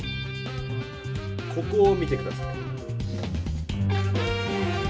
ここを見て下さい。